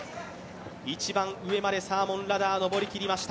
一番上までサーモンラダー上りきりました。